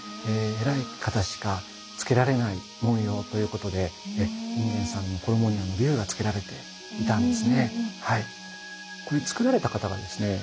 偉い方しか付けられない紋様ということで隠元さんの衣にあの龍が付けられていたんですねはい。